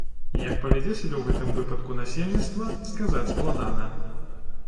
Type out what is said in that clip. Як павядзе сябе ў гэтым выпадку насельніцтва, сказаць складана.